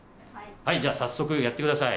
はいじゃあ早速やってください。